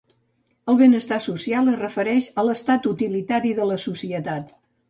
El benestar social es refereix a l'estat utilitari de la societat.